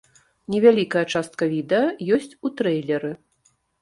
Невялікая частка відэа ёсць у трэйлеры.